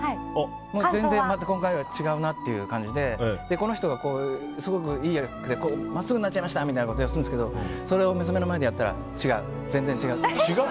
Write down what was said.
全然今回は違うなという感じでこの人がすごくいい役で真っすぐになっちゃいましたとかやるんですけどそれを娘の前でやったら違う、全然違うって。